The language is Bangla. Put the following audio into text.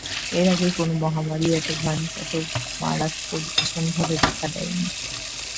এর আগে কোনো মহামারীই এত মারাত্মক, এত ভীষণভাবে দেখা দেয়নি।